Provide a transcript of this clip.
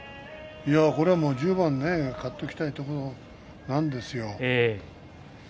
これは１０番勝っておきたいところなんですよ。